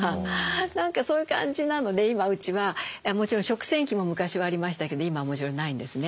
何かそういう感じなので今うちはもちろん食洗器も昔はありましたけど今はもちろんないんですね。